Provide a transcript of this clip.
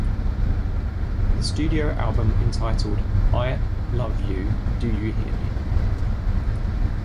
The studio album entitled I Love You, Do You Hear Me?